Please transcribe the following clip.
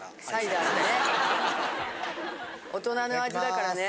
大人の味だからね。